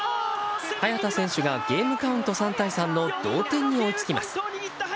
早田選手がゲームカウント３対３の同点に追いつきます。